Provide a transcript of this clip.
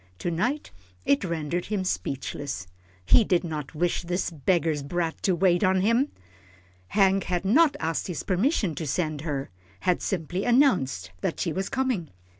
To night it rendered him speechless. He did not wish this beggar's brat to wait on him. Hank had not asked his permission to send her had simply announced that she was coming.